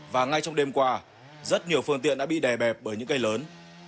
và ngay trong đêm qua rất nhiều phương tiện đã bị đè bẹp bởi những cây lớn